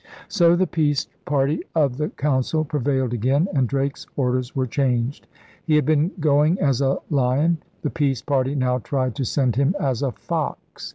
So the peace party of the Council prevailed again, and Drake's orders were changed. He had been going as a lion. The peace party now tried to send him as a fox.